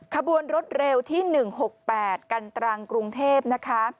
ขบวนรถเร็วที่๑๖๘กันตรังกรุงเทพนะคะ